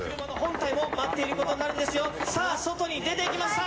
「さあ外に出てきました。